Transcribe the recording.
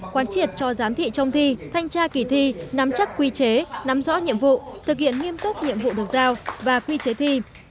quán triệt cho giám thị trong thi thanh tra kỳ thi nắm chắc quy chế nắm rõ nhiệm vụ thực hiện nghiêm túc nhiệm vụ được giao và quy chế thi